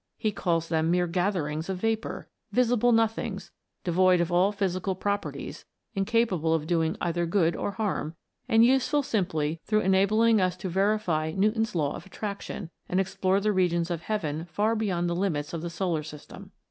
He calls them mere gather ings of vapour, visible nothings, devoid of all physical proper ties, incapable of doing either good or harm, and useful simply through enabling us to verify Newton's law of attrac tion, and explore the regions of heaven far beyond the limits of the solar system.